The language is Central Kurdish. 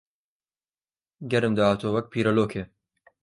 گەرم داهاتووە وەک پیرە لۆکی